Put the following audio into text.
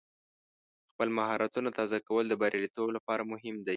خپل مهارتونه تازه کول د بریالیتوب لپاره مهم دی.